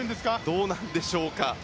どうなんでしょうか。